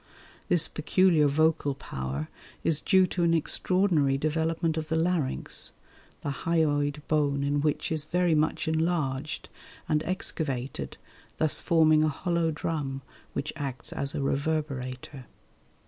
This peculiar vocal power is due to an extraordinary development of the larynx, the hyoid bone in which is very much enlarged and excavated, thus forming a hollow drum which acts as a reverberator.